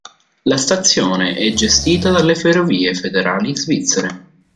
La stazione è gestita dalle Ferrovie Federali Svizzere.